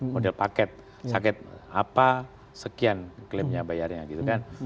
model paket sakit apa sekian klaimnya bayarnya gitu kan